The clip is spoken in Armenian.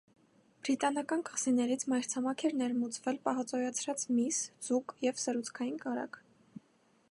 Բրիտանական կղզիներից մայրցամաք էր ներմուծվել պահածոյացրած միս, ձուկ և սերուցքային կարագ։